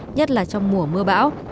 nhất là trong mùa mưa bão